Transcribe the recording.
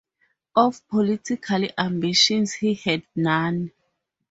Of political ambitions he had none.